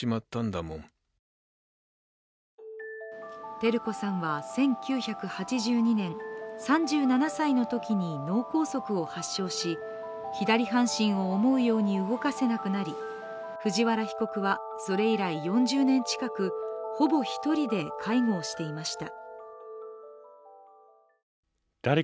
照子さんは１９８２年、３７歳のときに脳梗塞を発症し、左半身を思うように動かせなくなり藤原被告は、それ以来４０年近くほぼ一人で介護をしていました。